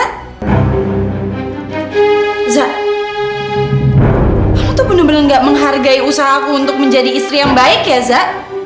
aku tuh bener bener gak menghargai usaha aku untuk menjadi istri yang baik ya za